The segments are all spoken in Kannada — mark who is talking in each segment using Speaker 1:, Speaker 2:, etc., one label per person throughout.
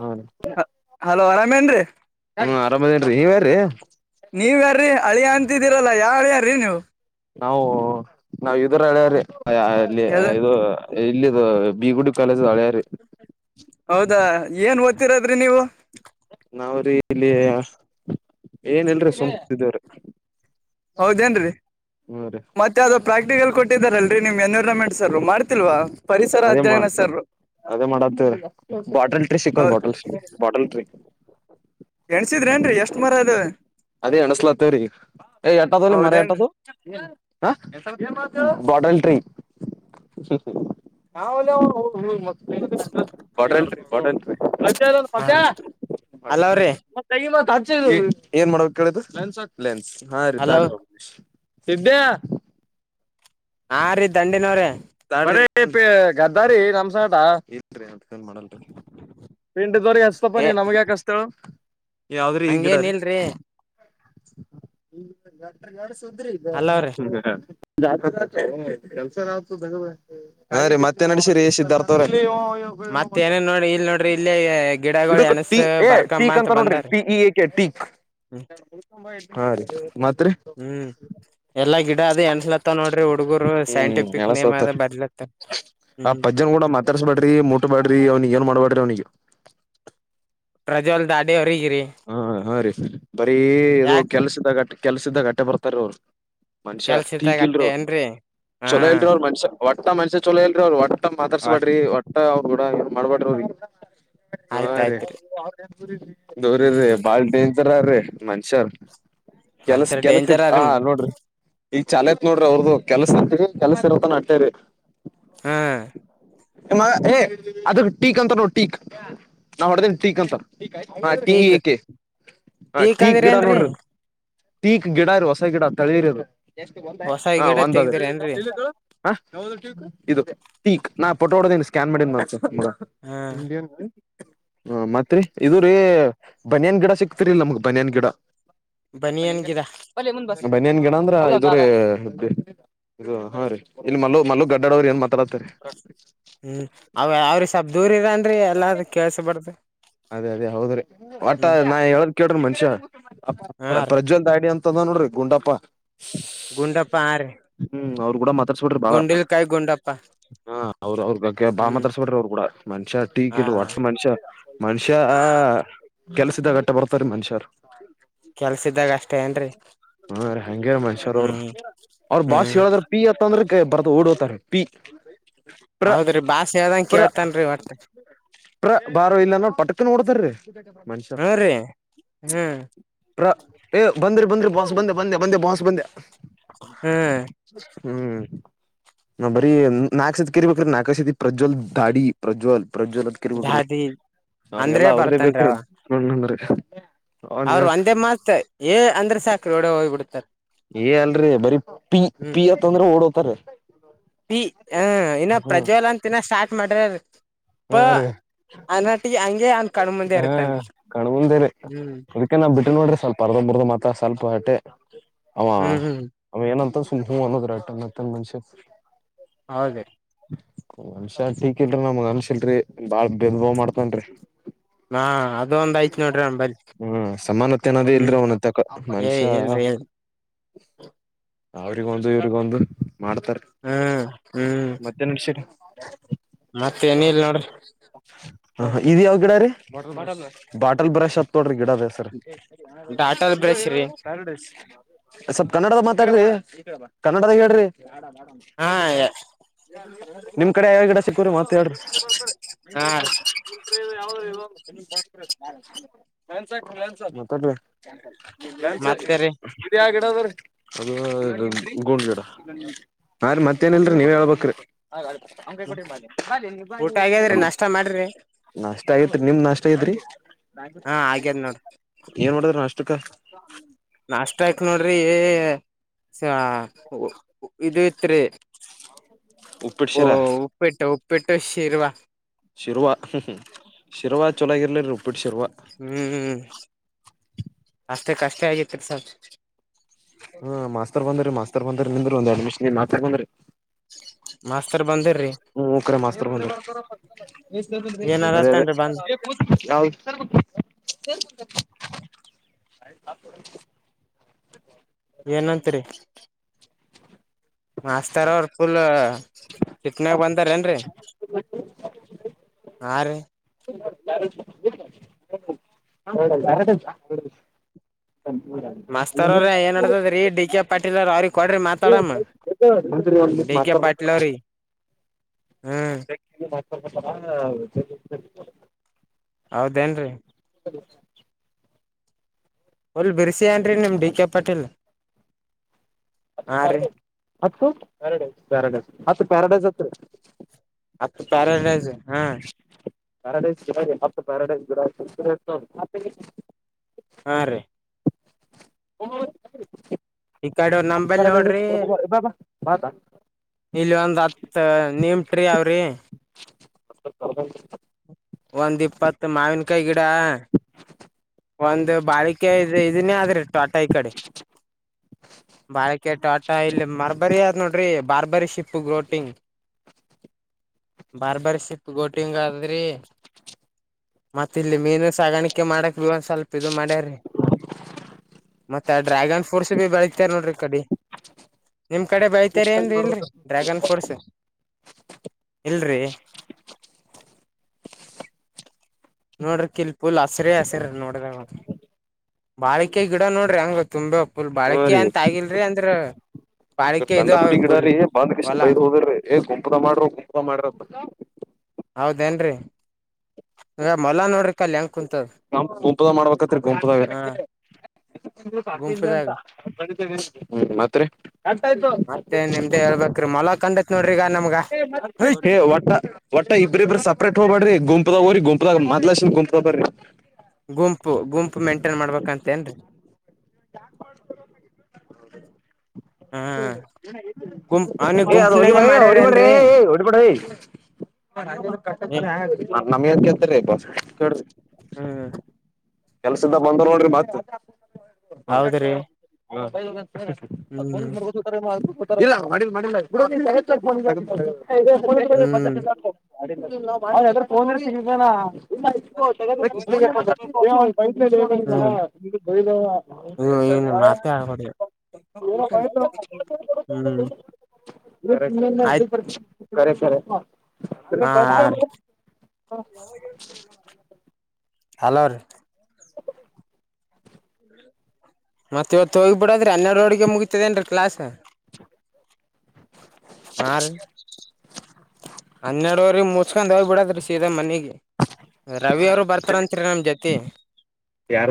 Speaker 1: ಹಾ ರೀ
Speaker 2: ಹಲೋ ಆರಾಮೇನ್ರಿ
Speaker 1: ನ ಆರಾಮದೇನ್ೀ ನೀ ರಿ
Speaker 2: ನೀವ ಯಾರೀ ಹಳಿ ಅಂತಿದ್ದೀರಲ್ಲ ಯಾವಳ್ಯಾರ್ರೀ ನೀವು
Speaker 1: ನಾವು ನಾವ ಇದರ ಹಳ್ರೀ ಅಲ್ಲಿ
Speaker 2: ಯದ
Speaker 1: ಇದು ಇಲ್ಲದು ಬಿಗುಡಿ ಕಾಲ
Speaker 2: ಹೌದಾ ಏನ್ ರದ್ರಿ ನೀವು
Speaker 1: ನಾವ್ರೀಲ್ಲಿ ಏನ್ಲ್ರೀ ಸುಂಕತಿದವ್ರ
Speaker 2: ಹೌದೇನ್ರೀ
Speaker 1: ರೀ
Speaker 2: ಮತ್ತೆ ಅದ ಪ್ರಾಕ್ಟಿಕಲ್ ಕೊಟ್ಟಿದಾರಲ್ ನಿಮ್ ಎನ್ವೈರಮೆಂಟ್ಸ್ರು ಮಾಡ್ತಿಲ್ವಾ ಪರಿಸರ
Speaker 1: ಅದೇ
Speaker 2: ಅಧ್ಯಯನ
Speaker 1: ಮಾಡತ
Speaker 2: ಸರ್
Speaker 1: ಅದೇ ಮಾಡತ್ ಬಾಟಲ್ ಟ್ರಿ ಸಿಕ್ಕದು
Speaker 2: ಹೌದ್
Speaker 1: ಬಾಟಲ್್ರ ಬಾಟಲ್ ಟ್ರಿ
Speaker 2: ಎಣ್ಸಿದ್ರೇನ್ರಿ ಎಷ್ಟ್ ಮರ ಅದಾವೆ
Speaker 1: ಅದೇ ಅಣಸ್ಲಾತವ್ರೀ ಎಟಾದಲ್ಲಿ ಮರ
Speaker 2: ಹೌದೇನ್ರಿ
Speaker 1: ಎಟದು- ಹಾ ಬಾಟಲಿಟ್ರೆ -
Speaker 2: ಅಲವ್ರಿ
Speaker 1: ಮ [unintelligible] ಏನ್ ಮಾಡ್ಬೇಕು ಹೇಳುದು ಲೆನ್ಸ್ ಹಾ
Speaker 2: ಹಲೋ
Speaker 1: ರೀತಾಡ್ಬಬ ಸಿದ್ದ್ಯಾ
Speaker 2: ಹಾ ರೀ ದಂಡಿನವ್ರೇ
Speaker 1: ಗದ್ದಾರಿ ನಮ್ಸಟ ಏೀ [unintelligible] ಪಿಂಡ ದೋರಿ ಎಷ್ಟತಪ
Speaker 2: ಏ
Speaker 1: ನೀ ನಮ್ಗ ಯಾಕ ಅಷ್ಟತು
Speaker 2: ಹಂಗೇನ್ ಇಲ್ರಿ
Speaker 1: ಈ ಗ ಗ [inaudible] ಸುದ್ರಿ ಇದು
Speaker 2: ಅಲವ್ರಿ
Speaker 1: [inaudible] ಜ ಕೆಲ್ಸ [unintelligible] ಹಾ ರೀ ಮತ್ತೆ ನಡಸರಿ ಸಿದ್ಧಾರ್ಥವ್ರೇ
Speaker 2: ಮತ್ತ ಏನೇನ್ ನೋಡ್ರಿ ಇಲ್ಲ್ ನೋಡ್ರಿ ಇಲ್ಲೇ
Speaker 1: ಇದಕ್ ಟೀ ಏ ಟೀಕ್ ಅಂತ ನೋಡ್ರಿ ಟೀ ಎ ಕೆ ಟೀಕ್ ಹಾ ರೀ ಮತ್ರಿ
Speaker 2: ಅದೇ ಎಂನ್ಸ್ಲತ ನೋಡಿ
Speaker 1: ಹ್ಮ್ ಎಳ ಸೌತಾರ-
Speaker 2: ಬರ್ಲತ್ತ
Speaker 1: ಆ
Speaker 2: ಹ್ಮ್
Speaker 1: ಪಜ್ಜನ್ ಕೂಡ ಮಾತಾರ್ಸ್ಬೇಡ್ರಿ ಮುಟ್ಟ ಬಾಡ್ರಿ ಅವ್ನಿಗೆ ಏನ್ ಮಾಡ್ಬೇಡ್ರಿ ಅವ್ನಿಗೆ
Speaker 2: ಪ್ರಜವಲ್ ದಾಡವರಿಗೆ
Speaker 1: ಹಾ ಹಾ ರೀ ಬರೀ ಇದು
Speaker 2: ಯಾಕ
Speaker 1: ಕೆಲ್ಸದಾಗಟ್ ಕೆಲ್ಸಾದ್ದಾಗ ಅಡ್ಡ ಬರ್ತಾರವ್ರು ಮನ್ಷ್ಯ
Speaker 2: ಕೆಲ್ಸದಾಗ
Speaker 1: ಟೀಕ್ ಇಲ್ರ
Speaker 2: ಅಟ್ಟೆ
Speaker 1: ಅವ
Speaker 2: ಏನ್ರರಿ ಹಾ
Speaker 1: ಚೊಲೋ ಇಲ್ರ ಅವ್ರ ಮನ್ಷ್ಯ ಒಟ್ಟ ಮನುಷ್ಯ ಚಲೋ ಇಲ್ರಿವ್ರು ಓಟ್
Speaker 2: ಒಟ್
Speaker 1: ಮಾತಾರ್ಸಬಡ್ರಿ ಮವ್ ಕೂಡ ಏನ್ ಮಾಡ್ಬಾರಡಿರಿ
Speaker 2: ಆಯ್ತ
Speaker 1: ಅವ್ನಿಗೆ
Speaker 2: ಆಯ್ತ್ರಿ
Speaker 1: ಹಾ ರೀ ಅವ್ರೀ
Speaker 2: ಹ್ಮ್
Speaker 1: ಬಹಳ ಡೇಂಜರ್ ಮನುಷ್ಯಾರ್ ಕೆಲ್ಸ
Speaker 2: ಮನ್ಷ್ಯರ್
Speaker 1: ಕೆಲ್ಸಿ
Speaker 2: ಡೇಂಜರ್ ಅ
Speaker 1: ಹಾ ನೋಡ್ರಿ ಈಗ ಚಾ ಐತ್ ನೋಡ್ರಿ ಅವ್ರ್ದು ಕೆಲ್ಸ ಅರಿ ಕೆಲ್ಸ ಇರತನಟ್ಟೇರಿ
Speaker 2: ಹ್ಮ್.
Speaker 1: ಹೇ ಅದಕ್ ಟೀಕ್ ಅಂತ ನೋ ಟೀಕ್ ನಾವ್ ಹೊಡೆದ ಟೀಕ್ ಅಂತ ಹಾ ಟಿ
Speaker 2: ಟೀಕ್
Speaker 1: ಏ ಕೆ ಹ
Speaker 2: ಟೀಕ್
Speaker 1: ಟೀ
Speaker 2: ಅಂದ್ರ
Speaker 1: ಗಿಡ
Speaker 2: ಏನ್ರರಿ
Speaker 1: ನೋಡ್ರಿ ಪೀಕ್ ಗಿಡ ಇ ಹೊಸ ಗಿಡ ತಳಿರದು
Speaker 2: ಹೊಸ
Speaker 1: ಹ
Speaker 2: ಗಿಡ
Speaker 1: ಒಂದ
Speaker 2: ತೆಗ್ದಿರ ಏನ್ರರಿ
Speaker 1: ಇದುೀಕ್ ನಾ ೋಡದ ಸ್ಕ್ಯಾನ್ ಮಾಡಿ ಮ
Speaker 2: ಹಾ
Speaker 1: ಇಂಡಿಯನ್ ಹ್ಮ ಮತ್ರಿ ಇದು ೀ ಬನ್ಯಾನ್ ಗಿಡ ಸಿಕ್ತಿರಿಲ್ಲ ನಮ್ಗ್ ಬನ್ಯಾನ್ ಗಿಡ
Speaker 2: ಬನ್ನಿ ಅನ್ಗಿರಾ
Speaker 1: ಬನ್ನಿ ಏನ್ ಗಿಡ ಅಂದ್ರ ಅ ಹಾ ರೀ ಇಲ್ಲಿ ಮ ಮಲ್ಲೂ ಗಡ್ಡಡ ಅವ್ರ ಏನ್ ಮಾತಾಡತಾರೆ
Speaker 2: ಹ್ಮ್ ಅವ ಅವ್ರ ಸ ದೂರರಂತ
Speaker 1: ಅದೇ ಅದೇ ಹೌದ್ರಿ ಒಟ್ಟ
Speaker 2: ಹ್ಮ್
Speaker 1: ನಾ ಹೇಳ ಕೇಳ್ರಿ ಮನುಷ್ಯ
Speaker 2: ಹಾ ರೀ
Speaker 1: ಪ್ರಜ್ವಂತ್ ಆಡಿ ಅಂತ ನೋಡ್ರಿ ಗುಂಡಪ್ಪ
Speaker 2: ಗುಂಡಪ್ಪ ಹಾ ರೀ
Speaker 1: ಹ್ಮ್ ಅವರು ಕೂಡ ಮಾತಾಡ್ಸ್ಬಿಟ್ರಿ ಬಾಳ
Speaker 2: ಗುಂಡಿಲ್ ಕಾಯಿ ಗುಂಡಪ್ಪ
Speaker 1: ಹ ಅವ್ರ ಅವ್ರ ಬಗ್ಗೆ ಬಾಳ
Speaker 2: ಹ್ಮ್
Speaker 1: ಮಾತಾಡಸ್ಬಿಟ್ರಿ ಅವ್ರರು ಕೂಡ ಮನುಷ್ಯ ಈ
Speaker 2: ಹಾ
Speaker 1: ಒಟ್ಸ ಮನುಷ್ಯ ಮನುಷ್ಯ ಕೆಲ್ಸಿದಾಗಟ್ಟೆ ಬರ್ತಾರೀ ಮನ್ಷ್ಯಾರ್
Speaker 2: ಕೆಲ್ಸ್ದಾಗ ಅಷ್ಟೇ ಏನ್ರಿ
Speaker 1: ಹಾ ಹೆಂಗೆ ಮಹೇಶರ್ ಅವ್ರರು
Speaker 2: ಹ್ಮ್
Speaker 1: ಅವ್ರ್ ಬಾಸ್
Speaker 2: ಹ್ಮ್
Speaker 1: ಹೇಳದ್ರ ಪೀ ಅತ್ತಂದ್ರೆ ಬರ್ದು ಓಡ್ೋತಾರೆ ಪಿ ಪ್ರ
Speaker 2: ಹೌದ್ರಿ ಭಾಷೆ ಹೇಳ್ದಂಗ
Speaker 1: ಪ್ರ
Speaker 2: ಕೇಳ್ತನ್ರಿ ಒಟ್ಟ
Speaker 1: ಪ್ರ ಬಾರ ಇಲ್ಲ ನೋ ಪಟಕ್ ನೋಡತಾರೀ ಮನುಷ್ಯ
Speaker 2: ಹ್ಮ ರೀ ಹ್ಮ್
Speaker 1: ಪ್ರ ಎ ಬಂದ್ರ ಬಂದ್ರ ಬ ಂದ ಬಂದೆ ಬಾಸ್ ಬಂದೆ
Speaker 2: ಹ್ಮ್
Speaker 1: ಹ್ಮ್ ಬರಿೀ ನಾಾಗಸತಿ ಕರಿಬೇಕ್ರ ನಾಾಗ ಸತಿ ಪ್ರಜ್ವಲ್ ದಾಡಿ ಪ್ರಜ್ವಲ್ ಪ್ರಜ್ವಲದಕಿರ್ಬೇಕ್ರಿ
Speaker 2: ದಾದಿ ಅಂದ್ರೆ
Speaker 1: ಅವ್ರಿಗೆಲ್ಲ ಅವ್ರದೇ ಬೇಕ್ರಿ ನೋಂದ್ರಿ ಹಾ
Speaker 2: ಅವರು ಒಂದೇ ಮಾತ್ ಏ ಅಂದ್ರೆ ಸಾಕ ಕ್ರೂಡೆ ಹೋಗಿಬ ಬಿಡ್ುತ್ತಾರೆ
Speaker 1: ಏ ಅಲ್ರರಿ ಬರ ಪಿ ಪಿ ಅತ್ ಅಂದ್ರೆ ಓಡೋತಾರ
Speaker 2: ಈ ಹ ಇನ್ನ
Speaker 1: ಹ್ಮ
Speaker 2: ಪ್ರಜೆಲ್ಲ ಅಂತಿನ ಸ್ಟಾರ್ಟ್ ಮಾಡ್ ಅಡ ಪ್ಪ
Speaker 1: ಹಾ ರೀ
Speaker 2: ಅನಾಟಿಗೆ ಹಂಗೆ ಅಂತ
Speaker 1: ಹಾ ಕಣಬಂದೇರಿ
Speaker 2: ಹ್ಮ್
Speaker 1: ಅದಕ್ಕೆ ನಾ್ ಬಿಟ್ಟ ನೋಡ್ರಿ ಸ್ವಲ್ಪ ಅರ್ಧ ಬರ್ದ ಮತ್ರ ಸ್ವಲ್ಪ ಹೊಟ್ಟೆ ಅವ
Speaker 2: ಹ್ಮ್ ಹ್ಮ್
Speaker 1: ಆ ಏನಂತ ಸುಮ್ ಹೂ ಅನ್ನೋದ್ರ ಸನಾತನ್ ಮನಷ
Speaker 2: ಹೌದ
Speaker 1: ಮನ್ಷ್ಯ ಟೀಕ್ ಇಲ್ರರಿ ನಮ್ಗ ಮನ್ಷ ಇಲ್ರರಿ ಬಾಳ್ ಭೇದ್ ಭಾವ್ ಮಾಡ್ತನ್ರಿ
Speaker 2: ಹಾ ಅದು ಒಂದ್ ಐತ್ ನೋಡ್ರಿ ನಂಬಲ್ಲಿ
Speaker 1: ಹ್ಮ ಸಮಾನತೆ ಅಂದ್ರೆ
Speaker 2: ಹ್ಮ್
Speaker 1: ಇಲ್ರಿ ಅವನ ತಕ್ಕ
Speaker 2: ಏ
Speaker 1: ಮನುಷ್ಯ
Speaker 2: ಇಲ್ರಿ ಇಲ್
Speaker 1: ಅವರಿಗೆಗಂದು ಇವ್ರಗೊಂದು ಮಾಡ್ತಾರ
Speaker 2: ಹ್ಮ್
Speaker 1: ಮಧ್ಯಾಹ್ನಷ ಹ
Speaker 2: ಮತ್ತೆ ಏನಲ್ ನೋಡ್ರಿ
Speaker 1: ಹ ಇ್ ಯಾವ್ ಗಿಡ ರೀ ಬ ಬಾಟಲ್ ಬ್ರಷ್ ಹತ್ ತೊಡ್ರಿ ಗಿಡದ ಸರ್
Speaker 2: ಡಾಟಲ್ ಬ್ರಷ್ ರೀ
Speaker 1: ್ಯಡ ಸ್ವಲ್ ಕನ್ನಡದ ಮಾತಾಡ [unintelligible] ಕನ್ನಡದಾಗ ಹೇಳ್ರಿ
Speaker 2: ಹಾ
Speaker 1: ಟ [unintelligible] ಹ್ಮ ನಿಮ್ ಕಡೆ ಯಾವ ಗಿಡ ಸಿಕ್ಕೋ್ರಿ ಮಾತಾಡ್ರಿ [inaudible]
Speaker 2: ಹಾ
Speaker 1: [unintelligible] ಇಾನ್ಸ [unintelligible]
Speaker 2: ಮತ್ತೆ ರೀ
Speaker 1: ಆಗುತ್ತ ಅ ಗೂಂಡ ಜೋಡ ನ ಮತ್ತೇನನ್ರರಿ ನೀವ ಹೇಳ್ಬೇಕ್ರಿ [unintelligible]
Speaker 2: ಊಟ ಆಗ್ಯದ್ರಿ ನಾಷ್ಟ ಮಾಡ್ರಿ
Speaker 1: ನಷ್ಟ ಆಗತ್ರಿ ನಿಮ್ ನಷ್ಟ
Speaker 2: ಹಾ ಆಗ್ಯದ್ ನೋಡ್ರಿ
Speaker 1: ಏನ್ ನೋಡ ನಾಷ್ಟಕ
Speaker 2: ನಾಷ್ಟ ಆಯಕ್ ನೋಡ್ರಿ ಏ ಇದ ಇತ್ರಿ
Speaker 1: ಉಪ್ಪಿಟ್ಟ
Speaker 2: ಓ
Speaker 1: ಶಿರಾ
Speaker 2: ಉಪ್ಪಿಟ್ಟು ಉಪ್ಪಿಟ್ಟು ಶಿರ್ವಾ
Speaker 1: ಶಿರುವ ಶಿರುವ ಚೊಲಾಗಿರ್ಲಿರಿ ಉಪ್ಪ
Speaker 2: ಹ್ಮ್ ಅಷ್ಟೇ ಕಷ್ಟ ಆಗಿತಿರಿ ಸರ್
Speaker 1: ಹಾ ಮಾಸ್ತರ್ ಬಂದ್ರೀ ಮಾಸ್ತರ್ ಬಂದ್ರ ನಿಂದ್ರಿ ಒಂದ್ ಎಡ್ಮಿಷನ್ ಬಂದ್ರಿ
Speaker 2: ಮಾಸ್ತರ್ ಬಂದಿರ್ರಿ
Speaker 1: ಹ್ಮ ರೆ ಮಾಸ್ತರ್ [unintelligible] ಮ ಅ ಯ
Speaker 2: ಏನ್ ಅಲತ್ತನ್ರಿ ಬಂದ್
Speaker 1: ಸ ಸಾ [inaudible]
Speaker 2: ಏನಂತರಿ ಮಾಸ್ತರ್ ಅವರುಫುಲ್ ಚಿಕ್ನಾಗ ಬಂದಾರ ಏನ್ರರಿ
Speaker 1: [inaudible]
Speaker 2: ಆ ರಿ
Speaker 1: [unintelligible]
Speaker 2: ಮಾಸ್ತರ್
Speaker 1: ಯಾವ್ದ್
Speaker 2: ಅವ್ರ ಏನ್ ನಡತದ್ರೀ ಡಿ ಕೆ ಪಾಟಿಲ್ರ ಅವ್ರ ಕೊಡ್ರಿ ಮಾತಾಡಮ್ಮ ಡಿ ಕೆ ಪಾಟೀಲ್ ಅವ್ರಿ
Speaker 1: [unintelligible]
Speaker 2: ಹ್ಮ್
Speaker 1: [unintelligible]
Speaker 2: ಹೌದೇನ್ರೀ ಹೊಲ್ ಬಿರ್ಸಿ ಏನ್ರಿ ನಿಮ್ ಡಿ ಕೆ ಪಾಟೀಲ್ ಹಾ ರೀ
Speaker 1: ಹತ್ತು ಪ್ಯಾರಾಡಸ್ ಪ್ಯಾರಾಡೈಸ್ ಹತ್ತು ಪ್ಯಾರಾಡೈಸ್ [inaudible]
Speaker 2: ಹತ್ತು ಪ್ಯಾರಡೈಸ್ ಹಾ
Speaker 1: ಪ್ಯಾರಾಡೈಸ್ಡ ಹ ಪ್ಯಾರಾಡೈಸ್ ಬಿಡ
Speaker 2: ಹಾ ರ
Speaker 1: ಓ
Speaker 2: ಈ ಕಡೆ ಒ ನಂಬಲ್ ನೋಡ್ರಿ
Speaker 1: ಬಾ ಬಾ ಮಾತಾ
Speaker 2: ಇಲ್ಲಿ ಒಂದ್ ಹತ್ ನಿಮಟ್ರಿ ಅವ್ರಿ
Speaker 1: [inaudible]
Speaker 2: ಒಂದ್ ಇಪ್ಪತ್ತು ತ್ತ ಮಾವಿನ ಕಾಯಿ ಗಿಡ ಒಂದು ಬಾಳಿಕೆ ಇ ಇದನೇ ಆದ್ರಿ ತೋಟ ಈ ಕಡೆ ಬಾಳಿಕೆ ತೋಟ ಇಲ್ಲಿ ಮರಬ ನಾವ್ ನೋಡ್ರಿ ಬಾರ್ಬರಿ ಶಿಪ್ ಬೋಟಿಂಗ್ ಬಾರ್ಬಾರಿ ಶಪ್ ಬೋಟಿಂಗ್ ಆದ್ರಿ ಮತ್ತ ಇಲ್ಲಿ ಮೀನು ಸಾಗಾಣಿಕೆ ಮಾಡ ಒಂದ್ ಸ್ವಲ್ಪ ಇ ಮಾಡ್ಯಾರಿ ಮತ್ತ ಡ್ರ್ಯಾಗನ್ ಫ್ರೂಟ್ಸ್ ಬಿ ಬೆಳತಾರ ನೋಡ್ರಿ ಕಡೆ ನಿಮ್ ಕಡೆ ಬೆಳತೇರಿ ಏನ್ರಿ ಇಲ್ರರಿ ಡ್ರ್ಯಾಗನ್ ಫ್ರೂಟ್ಸ್ ಇಲ್ರಿ ನೋಡ್ರಿ ಕಿಲ್ ಪುಲ್ ಹಸರಿ ಹಸರಿ ನೋಡ್ರ ಬಾಳಿಕೆ ಗಿಡ ನೋಡ್ರಿ ಹಂಗ ತುಂಬ ಪುಲ್ ಬಾಳಿಕೆ ಅಂತ ಆಗಿಲ್ರಿ ಅಂದ್ರ
Speaker 1: ಈಗ
Speaker 2: ಬಾಳಿಕೆ ಇದು
Speaker 1: ಕಂಡಪಟ್ಟಿ
Speaker 2: ಅವ್ರ ಪುಲ್
Speaker 1: ಗಿಡಾರಿಏ ಬಾ್ಕೃಷ್ಣ
Speaker 2: ಹೊಲಾ
Speaker 1: ಬೈದ ಹದ್ರ ಏ ಗುಂಪದ ಮಾಡ್ರರು ಗುಂಪು ಮಾಡ್ರ
Speaker 2: ಹೌದೇನ್ರರಿ ಈಗ ಮೊಲ್ಲ ನೋಡ್ರಿ ಕಲ್ ಅಂ
Speaker 1: ನಂಪ ಗುಂಪದ ಮಾಡ್ಬೇಕತ್ರಿ ಗುಂಪುದ
Speaker 2: ಹ
Speaker 1: ಹ್ಮ್
Speaker 2: ಗುಂಪದಾಗ
Speaker 1: ಮಾತ್ರೆ
Speaker 2: ಮತ್ತೆ ನಿಮ್ದೆ ಹೇಳ್ಬೇಕ್ರೀ ಮೊಲಕ್ ಕಂಡಕ್ನಡಿ
Speaker 1: ಹೇ ಒಟ್ಟ ಒಟ್ಟ ಇಬ್ರ ಇಬ್ರ ಸಪ್ರೇಟ್ ಹೋಗ್ಬೇಡ್ರಿ ಗುಪದ ಹೋರಿ ಗುಂಪು ಮದ್ಲಸ ಗುಂತ ಬರ್ರಿ
Speaker 2: ಗುಂಪು ಗುಂಪು ಮೇಂಟೇನ್ ಮಾಡ್ಬೇಕಂತೇನ್ರರಿ
Speaker 1: ಯಾ
Speaker 2: ಹಾ ಗುಂಪ್ ಅವ್ನಿಗ್
Speaker 1: ಅದು ಹೋಗಿ
Speaker 2: ಗುಂಪನಾಗ
Speaker 1: ಹೊಡಿಬಡ್ರಿ
Speaker 2: ಮಾಡ್ಯಾರೇನ್ರಿ
Speaker 1: ಹೊಡಿಬಡ ನಮಿಯ ಹಪ್ಪ ಕ
Speaker 2: ಹ್ಮ್
Speaker 1: ಕೆಲ್ಸ್ದ ಬಂದವ ನೋಡ್ರಿ ಮತ್ [inaudible]
Speaker 2: ಹೌದ್ರಿ
Speaker 1: ಬ ಹ
Speaker 2: ಹ್ಮ್
Speaker 1: ಇಲ್ಲ ಮಾಡ ಮಾಡಿಲ್ಲ ಪದ್ಧ
Speaker 2: ಹ್ಮ್
Speaker 1: ಸಾಕು ಫೋನ್ನಾ ಇಲ್ಲ ಇ
Speaker 2: ಹ್ಮ್
Speaker 1: ಅವ
Speaker 2: ಹ್ಮ್ ಏನು ಮಾತೆ ಆಡ್ಬಾರ್ದು
Speaker 1: ಪಯತ್ಲ್ಲಿ
Speaker 2: ಹ್ಮ್
Speaker 1: ಏ
Speaker 2: ಆಯ್ತ್ ಹಾ
Speaker 1: ಸರಿ
Speaker 2: ಹಾ ರೀ
Speaker 1: ಬ
Speaker 2: ಹಲೋರ್ ಮತ್ತತ್ ಇವತ್ತು ಹೋಗಿಬ ಬಿಡ್ರ ಹನ್ನೆರಡು ಅಳಗೆ ಮುಗಿತದೇನ್ರಿ ಕ್ಲಾಸ್ ಆ ಹನ್ನೆರಡುವ್ರ ಮುಚ್ಕೊಂಡಾವ ಬಿಡಾದ್ರಿ ಸೀದಾ ಮನೆಗೆ ರವಿ ಅವರು ಬರ್ತಾರತ್ರಿ ನಮ ಜೊತಿ
Speaker 1: ಯಾರ್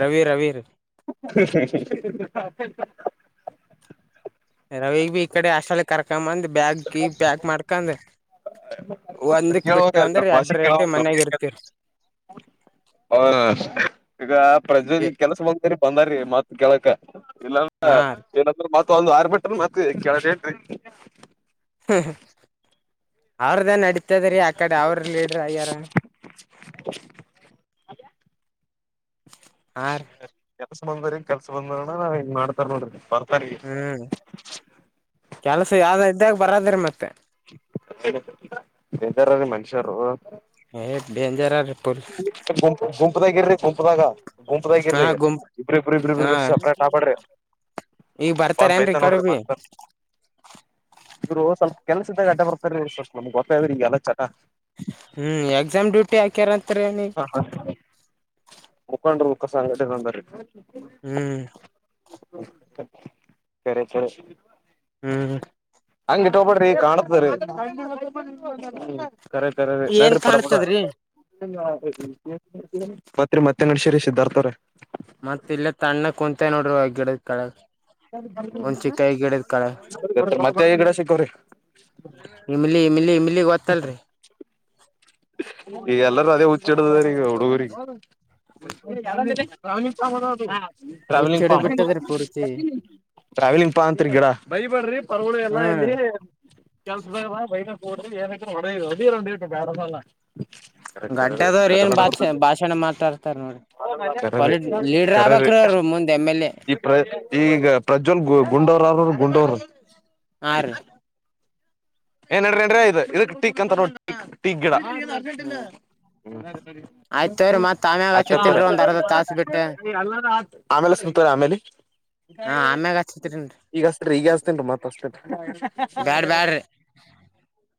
Speaker 2: ರವಿ ರವೀರ್
Speaker 1: ಹ ಹ
Speaker 2: ರವಿ ಬಿ ಈ ಕಡೆ ಅಷ್ಟಾಲಲ್ಲಿ ಕರ್ಕ ಅಂದ್ರ ಒಂದಕ್ ಬಿಟ್ಟು ಅಂದ್ರೆ
Speaker 1: ಭಾಷ
Speaker 2: ಎರಡ್ ರೇಟ್
Speaker 1: ಹ
Speaker 2: ಮನ್ಯಾಗ ಇರ್ತಿರಿ
Speaker 1: ಈಗ ಪ್ರಜೆಯಲ್ಲಿ ಕೆಲಸ ಹೋಗಾರೆ ಬಂದಾರೀ ಮತ್ ಕೆಳಕ ಇಲ್ಲಲ್ಲ
Speaker 2: ಹಾ ರೀ
Speaker 1: ಏನಂದ್ರರು ೊಂದು ಆರ್ ಬಿಟ್ರ ಮತ್ತ ಕೆಳಡೆ ಹೇಳ್ರಿ
Speaker 2: ಅವ್ರದ್ದೇ ನಡತ ಇತದ ರೀ ಆ ಕಡೆ ಅವ್ರ ಲೀಡರ್ ಅಯ್ಯಾರ ಹಾ ರೀ
Speaker 1: ಹ್ಮ ಬಂದ ಕೆಲಸ ಬಂದ ನ ಮಾಡಡ್ತಾರೆ ನೋಡ
Speaker 2: ಹ್ಮ್ ಕೆಲಸ ಯಾವ್ದಾಯ್ತು ಇದಾಗ ಬರದ್ರೀ ಮತ್ತೆ
Speaker 1: ಎದಾರೀ ಮನುಷ್ಯರು
Speaker 2: ಏ ಡೇಂಜರ್್ರ
Speaker 1: ಹ್ಮ್ಮ್. ಕುಂಪದಾಗ ಇರ್ರಿ ಕುಂಪದಾಗ
Speaker 2: ಹಾ
Speaker 1: ಗುಂಪದಾಗರ್ರಿ
Speaker 2: ಗುಂಪ್
Speaker 1: ಇಬ್ರ ಇಬ್ರ
Speaker 2: ಹಾ
Speaker 1: ಇಬ್ರಿಬ್ರ ಸಪ್ರೇಟ್ ಆಬಾಡ್ರಿ
Speaker 2: ಈಗ ಬರ್ತಾರ
Speaker 1: ಬಂದ್
Speaker 2: ಏನ್ರೀ
Speaker 1: ಮೈಯ್ತ
Speaker 2: ಈ ಕಡೆ
Speaker 1: ನೋಡ್ರಿ
Speaker 2: ಬಿ
Speaker 1: ಮಸ್ತನ್ ಶುರು ಸ್ವಲ್ಪ ಕೆಲ್ಸ ಇದ್ದಾಗ ಅಟ ಬರ್ತಾರೆ ನಮ್ಗೆ ಗೊತ್ತ್ರೀ ಈಗಲ್ಲ ಚಟ
Speaker 2: ಹ್ಮ್ ಎಕ್ಸಾಮ್ ್ಯೂ ಮಪ್ಪೆ ಯಾಕ್ಯಾರತ್ರೇಣಿ
Speaker 1: ಮುಖಂಡರ ಮುಖ ಸಂಘಟನೆ ಅಂದರೆ
Speaker 2: ಹ್ಮ್
Speaker 1: ಕೇತ
Speaker 2: ಹ್ಮ್
Speaker 1: ಹಂಗಿಟ್ಟ ಹೋಗಬೇಡ್ರಿ ಕಾಣತದರಿಿ ಕರೆ ಕರೆ ರ
Speaker 2: ಏನ್
Speaker 1: ನಡ್ರಿ ಪಡಡ
Speaker 2: ಕಾಣ್ತದ್ರಿ
Speaker 1: ಪತ್ರಿ ಮತ್ತೆ ಅಂಗಡಿ ಶಿರಷ್ಧಾರ್ತವ್ರ
Speaker 2: ಮತ್ತೆ ನೋಡ್ರಿ ಒ ಗಿಡದ ಕಳ
Speaker 1: ಮತ್ತ ಈಗ ತ್ತ
Speaker 2: ಇಮ್ಲಿ ಇಮ್ಲಿ ಇಮಲಿ ಗೊತ್ತ
Speaker 1: ಹಕ ಈಗಲ್ಲರೂ ಅದೇ ಹುಚ್ಚಿಡ್ದದಾರ ಈಗ ಹುಡುಗ
Speaker 2: ಹುಚ್
Speaker 1: ್ರಾವಂಗ್ ಪ
Speaker 2: ಹಿಡದ್ ಬಿಟ್ಟದ್ರಿ ಪೂರ್ತಿ
Speaker 1: ಾವಲಿಂಗ್ ಪಾಂತೀಡಾ ಭಯಬಡ್ರೀ ಪರಗಳು ಎಲ್ಲ ಎಲ್ಲಿ
Speaker 2: ಹ್ಮ್
Speaker 1: ಕೆಲ್ಸ ಬ ಬೈ ಏನ ಹೊ ಬಾರಲ್ಲ ಖರೆರ
Speaker 2: ಗಡ್ಡದವ್ರ ಏನ್ ಭಾಷ ಭಾಷಣ ಮಾತಾಡ್ತಾರ ನೋಡ್ರಿ
Speaker 1: ಕರ
Speaker 2: ಪಾಲಿಟ್ ಲೀಡರ್
Speaker 1: ಕರರಿ
Speaker 2: ಆಗ್ಬೇಕ್ರೀ ಅವ್ರು ಮುಂದ್ ಎಮ್ ಎಲ್ ಎ
Speaker 1: ಈ ಪ್ರ ಈಗ ಪ್ರಜ್ವಲ್ ಗ ಗುಂಡವರಾದರು ಗುಟೂರು
Speaker 2: ಆ
Speaker 1: ಏನ್ಡ್ರ ನಡ್ರ ಇ ಇದಕ್ ಟಿಕ್ ಅಂತ ನೋಡಿಕ್ ಟೀಕ್ ಗಿಡ ಆಯ್ತ್
Speaker 2: ಹ್ಮ್ ಆಯ್ತವ್ರೀ ಮತ್ ಆಮ್ಯಾಗ ಹಚ್ಚತೇನ್ರಿ ಒಂದ್ ಅರ್ಧ ತಾಸ ಬಿಟ್ಟ
Speaker 1: ಆಮೇಲೆ ಸತಾರೆ ಆಮೇ
Speaker 2: ಹಾ ಆಮ್ಯಾಗ ಹಚ್ಚತೇನ್ರಿ
Speaker 1: ಈಗ ಅಸ್ತರಿ ಈಗ ಹಸ್ತೇನ್ ಮತ್ ಅಸ್ತೇನ್ರಿ
Speaker 2: ಬ್ಯಾಡ್ ಬ್ಯಾಡ್ರಿ
Speaker 1: ಹ್ಮ್ಮ್.